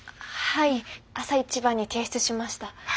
朝一番に提出しました。